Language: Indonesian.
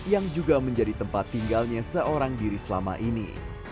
yang juga menjadi tempat tinggalnya seorang diri selama ini